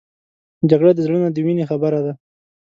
جګړه د زړه نه د وینې خبره ده